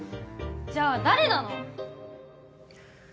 じゃあ誰なの？